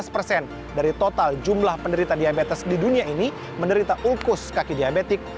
lima belas persen dari total jumlah penderita diabetes di dunia ini menderita ulkus kaki diabetik